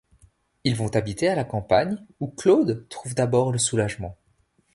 Ils vont habiter à la campagne, où Claude trouve d’abord le soulagement.